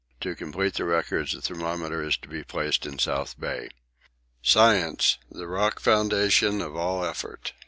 To complete the records a thermometer is to be placed in South Bay. Science the rock foundation of all effort!!